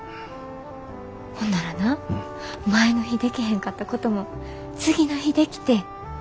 ほんならな前の日でけへんかったことも次の日できて。